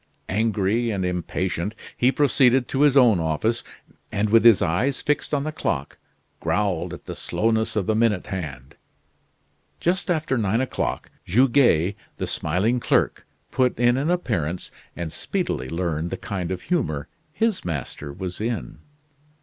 Angry and impatient, he proceeded to his own office; and with his eyes fixed on the clock, growled at the slowness of the minute hand. Just after nine o'clock, Goguet, the smiling clerk, put in an appearance and speedily learned the kind of humor his master was in.